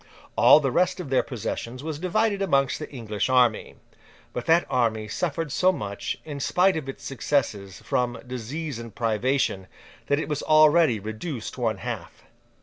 All the rest of their possessions was divided amongst the English army. But, that army suffered so much, in spite of its successes, from disease and privation, that it was already reduced one half.